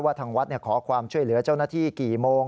ทางวัดขอความช่วยเหลือเจ้าหน้าที่กี่โมง